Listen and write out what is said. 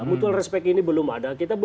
mutual respect ini belum ada kita